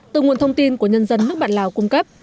từ nguồn thông tin của nhân dân nước bản lào cung cấp